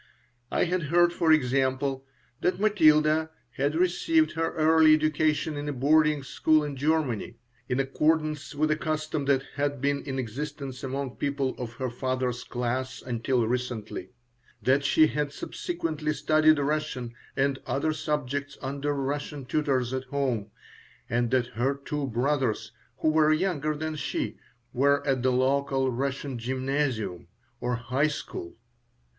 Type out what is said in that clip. I had heard, for example, that Matilda had received her early education in a boarding school in Germany (in accordance with a custom that had been in existence among people of her father's class until recently); that she had subsequently studied Russian and other subjects under Russian tutors at home; and that her two brothers, who were younger than she, were at the local Russian gymnasium, or high school.